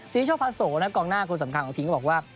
ศิษย์ช่อพระโสและกองหน้าคุณสำคัญของทีนก็บอกว่า